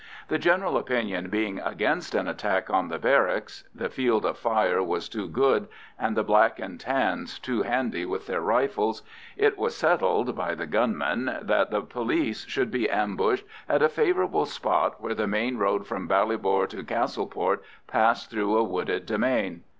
The general opinion being against an attack on the barracks—the field of fire was too good, and the Black and Tans too handy with their rifles—it was settled (by the gunmen) that the police should be ambushed at a favourable spot where the main road from Ballybor to Castleport passed through a wooded demesne.